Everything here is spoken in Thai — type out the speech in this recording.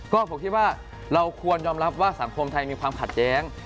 ก็ผมคิดว่าเราควรยอมรับว่าสังคมไทยมีความขัดแย้ง